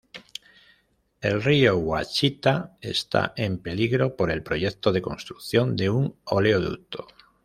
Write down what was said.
El río Ouachita está en peligro por el proyecto de construcción de un oleoducto.